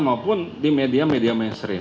maupun di media media mainstream